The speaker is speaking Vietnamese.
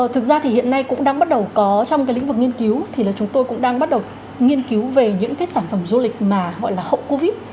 thực ra thì hiện nay cũng đang bắt đầu có trong cái lĩnh vực nghiên cứu thì là chúng tôi cũng đang bắt đầu nghiên cứu về những cái sản phẩm du lịch mà gọi là hậu covid